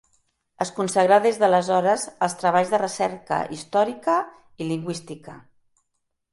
Es consagrà des d'aleshores als treballs de recerca històrica i lingüística.